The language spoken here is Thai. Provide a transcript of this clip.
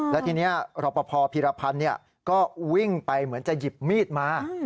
แล้วทีนี้รอปภพีรพันธ์ก็วิ่งไปเหมือนจะหยิบมีดมา